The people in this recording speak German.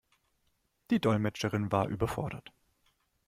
Die Dolmetscherin war überfordert.